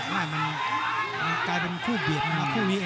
มันกลายเป็นคู่เบียดมาก